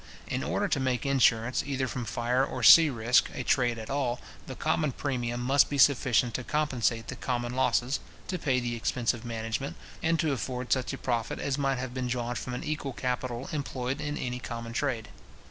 In order to make insurance, either from fire or sea risk, a trade at all, the common premium must be sufficient to compensate the common losses, to pay the expense of management, and to afford such a profit as might have been drawn from an equal capital employed in any common trade.